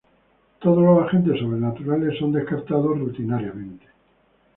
Todos los agentes sobrenaturales son descartados rutinariamente.